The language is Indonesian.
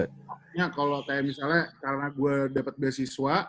makanya kalau kayak misalnya karena gue dapet beasiswa